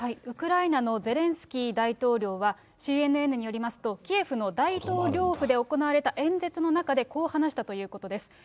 ウクライナのゼレンスキー大統領は、ＣＮＮによりますと、キエフの大統領府で行われた演説の中でこう話したということです。